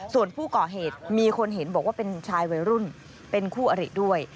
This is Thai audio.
ส่วนผู้ก่อเหตุมีคนเห็นบอกว่าเป็นชายวัยรุ่นเป็นคู่อริด้วย